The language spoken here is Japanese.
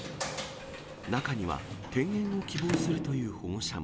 中には転園を希望するという保護者も。